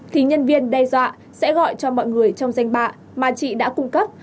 thì nhân viên đe dọa sẽ gọi cho mọi người trong danh bạ mà chị đã cung cấp